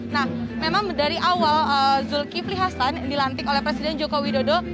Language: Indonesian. nah memang dari awal zulkifli hasan dilantik oleh presiden joko widodo